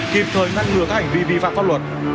kịp thời ngăn ngừa các hành vi vi phạm pháp luật